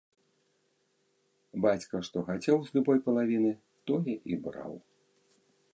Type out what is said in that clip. Бацька што хацеў з любой палавіны, тое і браў.